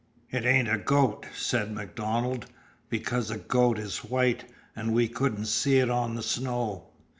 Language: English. "It ain't a goat," said MacDonald, "because a goat is white, and we couldn't see it on the snow.